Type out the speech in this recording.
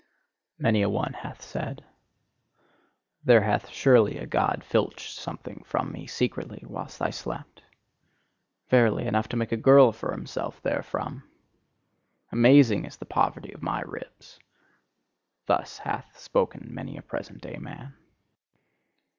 Many a one hath said: "There hath surely a God filched something from me secretly whilst I slept? Verily, enough to make a girl for himself therefrom! "Amazing is the poverty of my ribs!" thus hath spoken many a present day man.